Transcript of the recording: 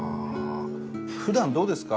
ふだんどうですか？